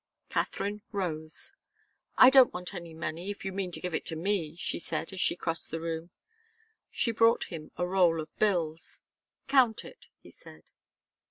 Katharine rose. "I don't want any money, if you mean to give it to me," she said, as she crossed the room. She brought him a roll of bills. "Count it," he said.